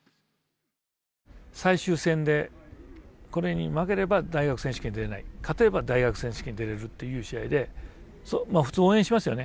最終戦でこれに負ければ大学選手権に出れない勝てれば大学選手権に出れるっていう試合で普通応援しますよね